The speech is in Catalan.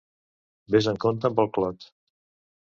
Vés amb compte amb el clot.